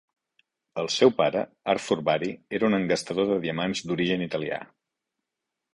El seu pare, Arthur Bari, era un engastador de diamants d'origen italià.